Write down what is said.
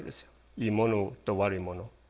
いいものと悪いもの。